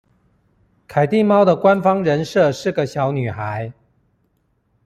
凱蒂貓的官方人設是個小女孩